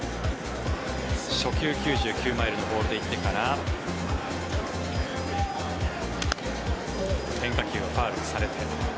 初球、９９マイルのボールで行ってから変化球をファウルにされて。